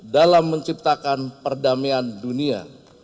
dalam menciptakan perdamaian dunia